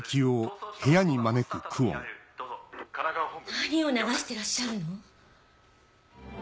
何を流してらっしゃるの？